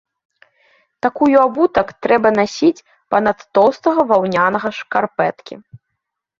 Такую абутак трэба насіць па-над тоўстага ваўнянага шкарпэткі.